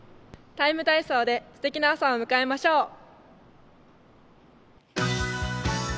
「ＴＩＭＥ，体操」ですてきな朝を迎えましょう。